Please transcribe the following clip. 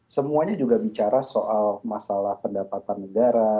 semuanya juga bicara soal masalah pendapatan negara